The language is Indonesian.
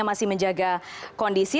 yang masih menjaga kondisi